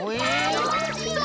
どうしよう！？